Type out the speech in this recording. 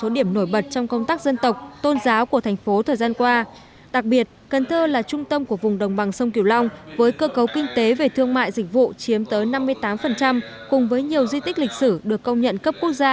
đây là cửa hàng cung cấp xăng dầu cho toàn bộ đơn vị quân đội trong nội thành